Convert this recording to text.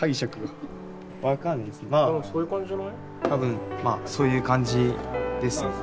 多分まあそういう感じです。